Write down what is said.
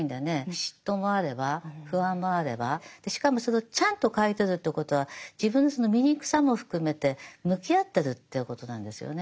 嫉妬もあれば不安もあればしかもそれをちゃんと書いてるということは自分のその醜さも含めて向き合ってるっていうことなんですよね。